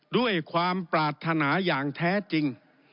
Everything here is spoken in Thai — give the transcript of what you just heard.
ด้วยความปรารถนาอย่างแท้จริง